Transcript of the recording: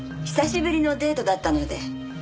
久しぶりのデートだったので。